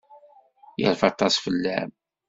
Yerfa aṭas fell-am.